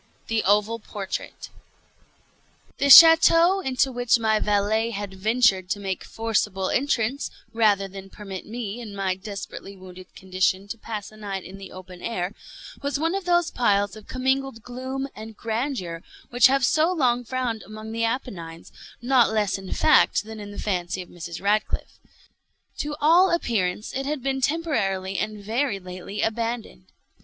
THE OVAL PORTRAIT The château into which my valet had ventured to make forcible entrance, rather than permit me, in my desperately wounded condition, to pass a night in the open air, was one of those piles of commingled gloom and grandeur which have so long frowned among the Appennines, not less in fact than in the fancy of Mrs. Radcliffe. To all appearance it had been temporarily and very lately abandoned.